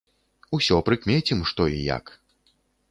Усё прыкмецім, што і як.